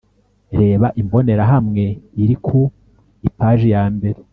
Reba imbonerahamwe iri ku ipaji ya mbere